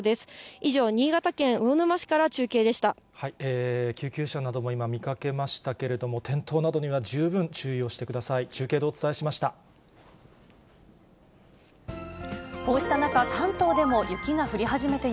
以上、救急車なども今、見かけましたけれども、転倒などには十分注意をしてください。